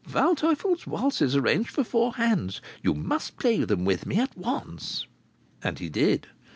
"Waldteufel's waltzes arranged for four hands. You must play them with me at once." And he did.